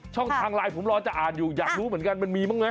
ช่องทางไลน์ผมรอจะอ่านอยู่อยากรู้เหมือนกันมันมีบ้างไหม